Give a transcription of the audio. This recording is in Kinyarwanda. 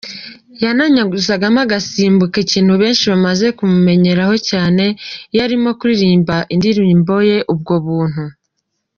Yananyuzagamo agasimbuka, ikintu benshi bamaze kumumenyeraho cyane iyo arimo kuririmba indirimbo ye ‘Ubwo buntu’.